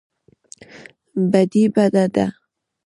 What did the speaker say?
بدي بده ده.